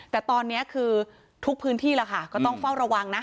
แต่ตอนนี้คือทุกพื้นที่ล่ะค่ะก็ต้องเฝ้าระวังนะ